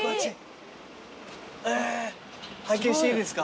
へえ拝見していいですか？